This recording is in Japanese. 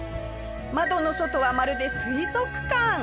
窓の外はまるで水族館。